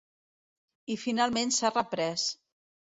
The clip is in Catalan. I finalment s’ha reprès.